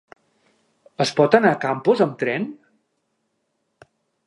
Es pot anar a Campos amb tren?